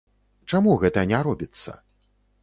Чаму гэта не робіцца?